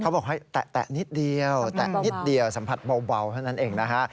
บอกให้แตะนิดเดียวแตะนิดเดียวสัมผัสเบาเท่านั้นเองนะฮะ